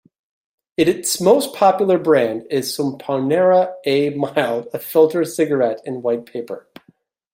Its most popular brand is Sampoerna 'A' Mild, a filter cigarette in white paper.